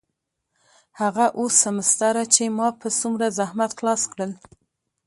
هغه اووه سمستره چې ما په څومره زحمت خلاص کړل.